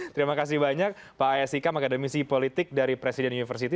terima kasih banyak pak ayas ika magadamisi politik dari presiden universiti